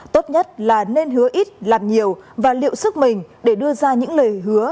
tốt nhất là nên hứa ít làm nhiều và liệu sức mình để đưa ra những lời hứa